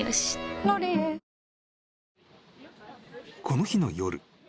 ［この日の夜。